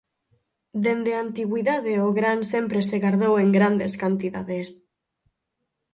Dende a antigüidade o gran sempre se gardou en grandes cantidades.